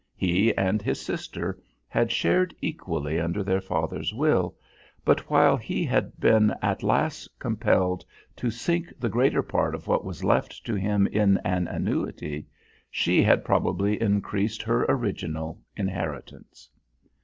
He and his sister had shared equally under their father's will, but while he had been at last compelled to sink the greater part of what was left to him in an annuity, she had probably increased her original inheritance.